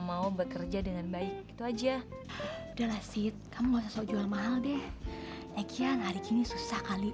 mau bekerja dengan baik itu aja udah lah si kamu sok jual mahal deh eh kian hari kini susah kali